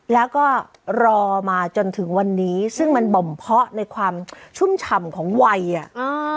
แล้วก็รอมาจนถึงวันนี้ซึ่งมันบ่มเพาะในความชุ่มฉ่ำของวัยอ่ะอ่า